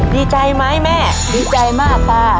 ดีใจไหมแม่ดีใจมากตา